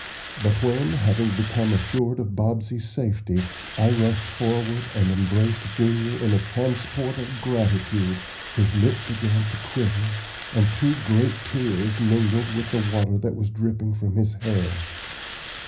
But when, having become assured of Bobsey's safety, I rushed forward and embraced Junior in a transport of gratitude, his lip began to quiver and two great tears mingled with the water that was dripping from his hair.